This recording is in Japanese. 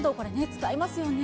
使いますね。